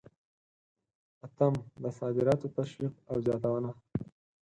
اتم: د صادراتو تشویق او زیاتونه.